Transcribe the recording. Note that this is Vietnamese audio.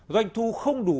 doanh thu không đủ